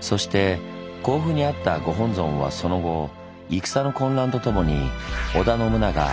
そして甲府にあったご本尊はその後戦の混乱とともに織田信長